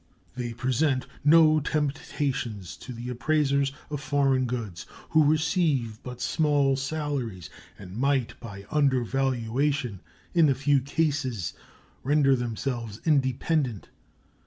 They present no temptations to the appraisers of foreign goods, who receive but small salaries, and might by undervaluation in a few cases render themselves independent.